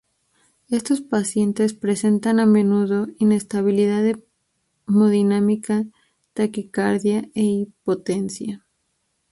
Estos pacientes presentan a menudo inestabilidad hemodinámica, taquicardia e hipotensión.